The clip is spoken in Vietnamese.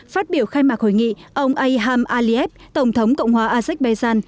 phát biểu khai mạc hội nghị ông ayham aliyev tổng thống cộng hòa isaac bejan